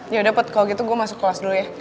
yaudah pat kalo gitu gue masuk kelas dulu ya